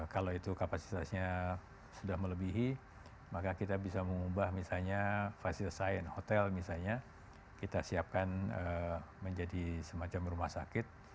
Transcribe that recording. kalau itu kapasitasnya sudah melebihi maka kita bisa mengubah misalnya facil science hotel misalnya kita siapkan menjadi semacam rumah sakit